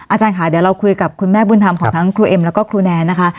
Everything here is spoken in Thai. อาจารย์ค่ะเดี๋ยวเราคุยกับคุณแม่บุญธรรมของทั้งครูเอ็มแล้วก็ครูแนนนะคะ